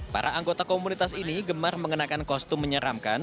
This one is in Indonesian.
para anggota komunitas ini gemar mengenakan kostum menyeramkan